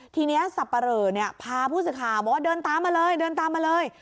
ทีนี้สับประเหรอพาผู้ศึกขาวบอกว่าเดินตามมาเลย